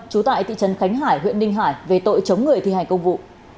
trú tại thị trấn khánh hải huyện ninh hải về tội chống người thi hành công vụ